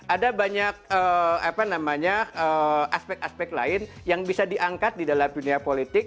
ada banyak aspek aspek lain yang bisa diangkat di dalam dunia politik